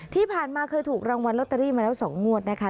ที่ผ่านมาเคยถูกรางวัลลอตเตอรี่มาแล้ว๒งวดนะคะ